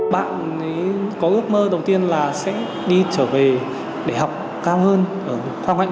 bạn ấy có ước mơ đầu tiên là sẽ đi trở về để học cao hơn ở khoa ngoại ngữ